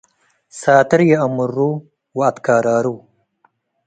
ሳትር ይአምሩ ወአትካራሩ